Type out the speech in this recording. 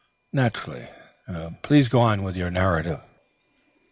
"Naturally. Please go on with your narrative."